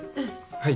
はい。